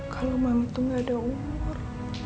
kalau mami tuh gak ada umur